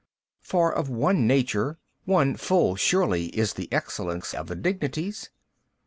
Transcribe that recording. For of One Nature, one full surely is the Excellence of the dignities.